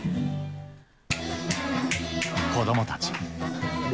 子どもたち。